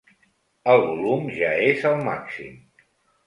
El volum ja és al màxim.